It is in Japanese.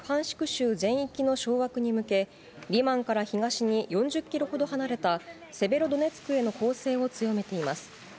州全域の掌握に向け、リマンから東に４０キロほど離れた、セベロドネツクへの攻勢を強めています。